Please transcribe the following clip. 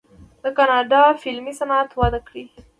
د کاناډا فلمي صنعت وده کړې.